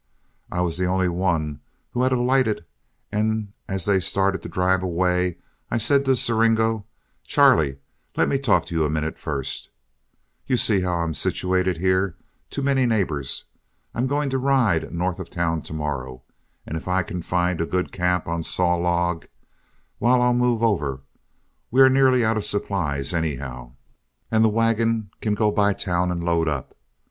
I was the only one who had alighted, and as they started to drive away, I said to Siringo: "Charley, let me talk to you a minute first. You see how I'm situated here too many neighbors. I'm going to ride north of town to morrow, and if I can find a good camp on Saw Log, why I'll move over. We are nearly out of supplies, anyhow, and the wagon can go by town and load up.